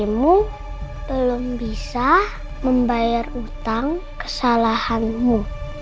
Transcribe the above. kematian istrimu belum bisa membayar utang kesalahanmu